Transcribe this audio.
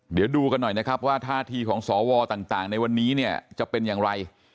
เดี๋ยวดูกันหน่อยนะครับว่าท่าทีของสวต่างในวันนี้เนี่ยจะเป็นอย่างไร